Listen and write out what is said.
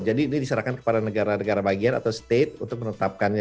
jadi ini diserahkan kepada negara negara bagian atau state untuk menetapkannya